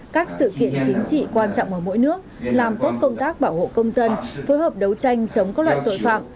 các sự kiện chính trị quan trọng ở mỗi nước làm tốt công tác bảo hộ công dân phối hợp đấu tranh chống các loại tội phạm